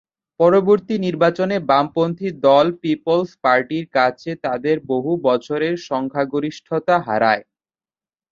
পরবর্তী নির্বাচনে বামপন্থী দল পিপলস পার্টির কাছে তাদের বহু বছরের সংখ্যাগরিষ্ঠতা হারায়।